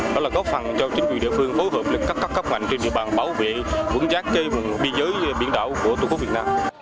đó là góp phần cho chính quyền địa phương phối hợp với các cấp ngành trên địa bàn bảo vệ vững giác cây biên giới biển đảo của tô cúc việt nam